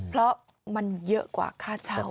เพราะมันเยอะกว่าค่าเช่า